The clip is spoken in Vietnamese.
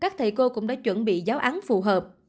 các thầy cô cũng đã chuẩn bị giáo án phù hợp